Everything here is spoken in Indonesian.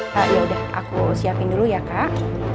kak yaudah aku siapin dulu ya kak